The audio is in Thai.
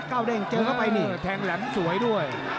เด้งเจอเข้าไปนี่แทงแหลมสวยด้วย